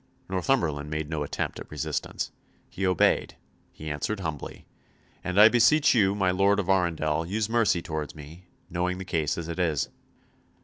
Northumberland made no attempt at resistance. He obeyed, he answered humbly; "and I beseech you, my Lord of Arundel, use mercy towards me, knowing the case as it is."